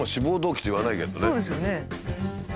そうですよね。